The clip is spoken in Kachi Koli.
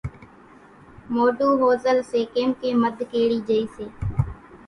مونڍون ۿوزل سي ڪيمڪيَ مڌ ڪيڙِي جھئِي سي۔